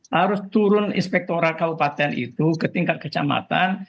harus turun inspektoral kabupaten itu ke tingkat kecamatan